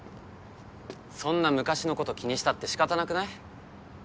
そんな昔のこと気にしたって仕方なくない？